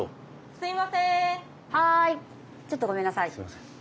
すいません。